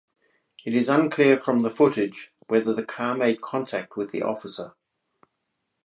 It is unclear from the footage whether the car made contact with the officer.